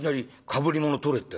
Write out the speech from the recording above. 『かぶり物を取れ』。